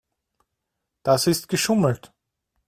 Das ist geschummelt.